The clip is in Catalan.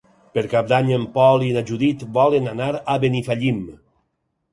Per Cap d'Any en Pol i na Judit volen anar a Benifallim.